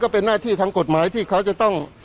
เป็นหน้าที่ทางกฎหมายที่เขาจะต้อง